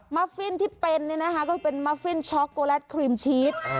มัฟฟินที่เป็นเนี่ยนะคะก็เป็นมัฟฟินช็อคโกแลตครีมชีส